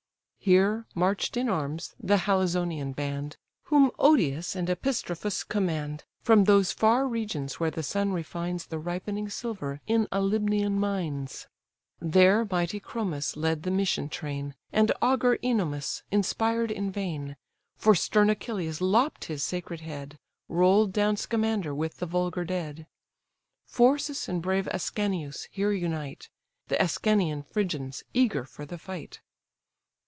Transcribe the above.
Here march'd in arms the Halizonian band, Whom Odius and Epistrophus command, From those far regions where the sun refines The ripening silver in Alybean mines. There mighty Chromis led the Mysian train, And augur Ennomus, inspired in vain; For stern Achilles lopp'd his sacred head, Roll'd down Scamander with the vulgar dead. Phorcys and brave Ascanius here unite The Ascanian Phrygians, eager for the fight.